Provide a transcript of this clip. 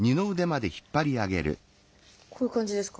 こういう感じですか？